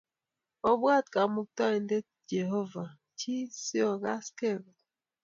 Obwan Kamukta-indet Jehovah, ji si ogasge kot.